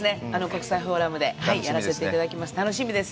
国際フォーラムでやらせていただきます。